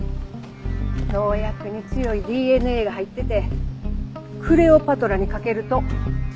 農薬に強いＤＮＡが入っててクレオパトラにかけると。